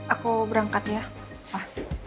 aku berangkat ya pa